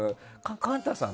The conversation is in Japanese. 幹太さん